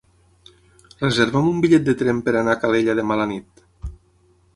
Reserva'm un bitllet de tren per anar a Calella demà a la nit.